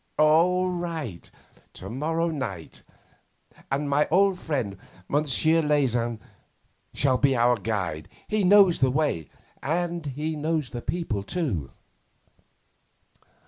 'All right. To morrow night. And my old friend, Monsieur Leysin, shall be our guide. He knows the way, and he knows the people too.